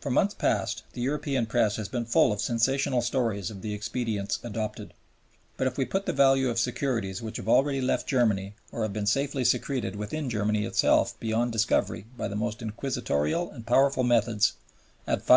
For months past the European press has been full of sensational stories of the expedients adopted. But if we put the value of securities which have already left Germany or have been safely secreted within Germany itself beyond discovery by the most inquisitorial and powerful methods at $500,000,000, we are not likely to overstate it.